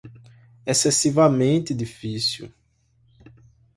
excessivamente difícil